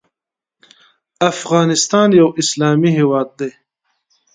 افغانستان یو اسلامي هیواد دی